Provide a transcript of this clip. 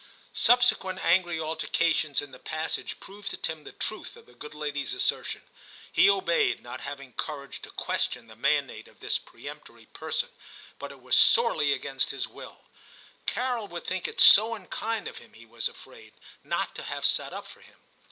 Subsequent angry altercations in the passage proved to Tim the truth of the good lady's assertion. He obeyed, not having courage to question the mandate of this peremptory person, but it was sorely against 88 TIM CHAP. his will. Carol would think it so unkind of him, he was afraid, not to have sat up for him.